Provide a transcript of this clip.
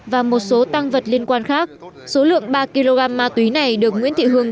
và một số tăng vật liên quan khác số lượng ba kg ma túy này được nguyễn thị hương